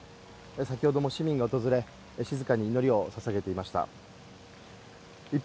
先ほどの市民が訪れ静かに祈りをささげていました一方